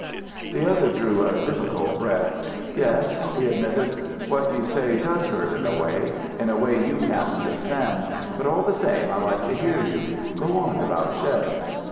The other drew a difficult breath. "Yes," he admitted, "what you say does hurt in a way in a way you can't understand. But all the same I like to hear you. Go on about Chev."